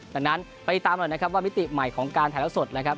ดังนั้นไปตามหน่อยนะครับว่ามิติใหม่ของการถ่ายแล้วสดนะครับ